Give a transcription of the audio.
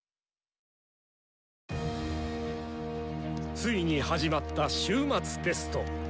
ついに始まった「終末テスト」。